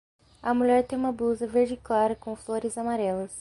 A mulher tem uma blusa verde clara com flores amarelas